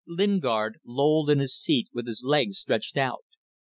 Lingard lolled in his seat with his legs stretched out.